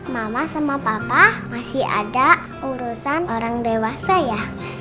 mama sama papa masih ada urusan orang dewasa ya